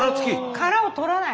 殻を取らない。